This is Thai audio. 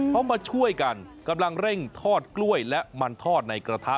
เขามาช่วยกันกำลังเร่งทอดกล้วยและมันทอดในกระทะ